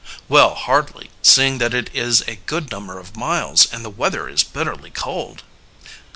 "Well, hardly, seeing that it is a good number of miles and the weather is bitterly cold."